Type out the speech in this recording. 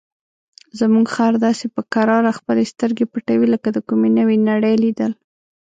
زموږ خر داسې په کراره خپلې سترګې پټوي لکه د کومې نوې نړۍ لیدل.